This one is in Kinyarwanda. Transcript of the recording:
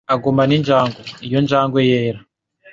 Agumana injangwe. Iyo njangwe yera.